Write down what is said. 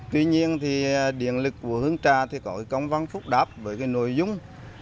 tuy nhiên thì điện lực của hương trà thì có công văn phúc đáp với cái nội dung